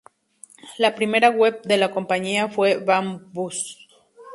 La primera web de la compañía fue "Bang Bus".